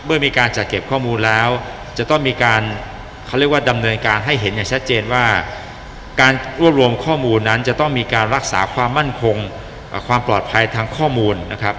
เมื่อมีการจัดเก็บข้อมูลแล้วจะต้องมีการเขาเรียกว่าดำเนินการให้เห็นอย่างชัดเจนว่าการรวบรวมข้อมูลนั้นจะต้องมีการรักษาความมั่นคงความปลอดภัยทางข้อมูลนะครับ